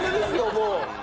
もう。